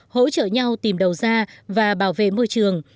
hỗ trợ nhau tìm đầu ra và bảo vệ môi trường